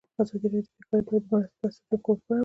ازادي راډیو د بیکاري په اړه د پرانیستو بحثونو کوربه وه.